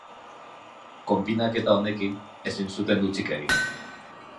Konbinaketa honekin, ezin zuten hutsik egin.